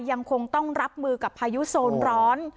ยังคงต้องรับมือกับพายุโซนร้อน